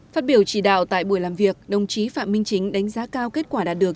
phát biểu chỉ đạo tại buổi làm việc đồng chí phạm minh chính đánh giá cao kết quả đạt được